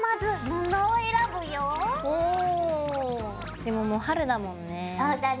でももう春だもんね。